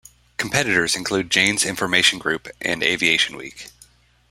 Competitors include Jane's Information Group and "Aviation Week".